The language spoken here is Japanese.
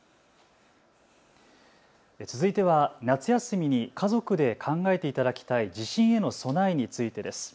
続いては夏休みに家族で考えていただきたい地震への備えについてです。